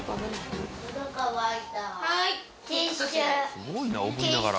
すごいなおぶりながら。